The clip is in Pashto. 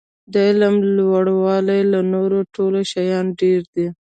د علم لوړاوی له نورو ټولو شیانو ډېر دی.